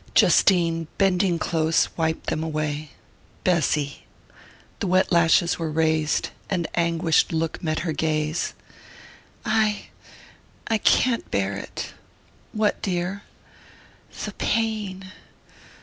Justine, bending close, wiped them away. "Bessy " The wet lashes were raised an anguished look met her gaze. "I I can't bear it...." "What, dear?" "The pain....